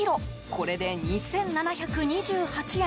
これで２７２８円。